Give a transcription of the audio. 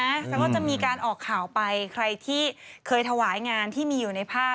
แล้วก็จะมีการออกข่าวไปใครที่เคยถวายงานที่มีอยู่ในภาพ